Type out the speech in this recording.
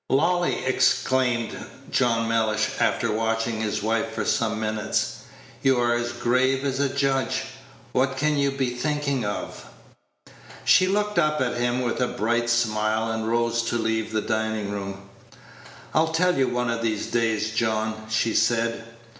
"Lolly!" exclaimed John Mellish, after watching his wife for some minutes, "you are as grave as a judge. What can you be thinking of?" She looked up at him with a bright smile, and rose to leave the dining room. "I'll tell you one of these days, John," she said.